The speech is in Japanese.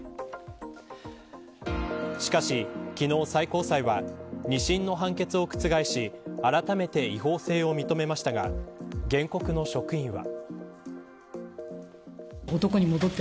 しかし昨日最高裁は二審の判決を覆しあらためて違法性を認めましたが原告の職員は。